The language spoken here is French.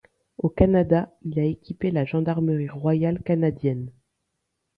Au Canada, il a équipé la gendarmerie royale canadienne.